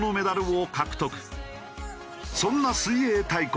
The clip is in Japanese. そんな水泳大国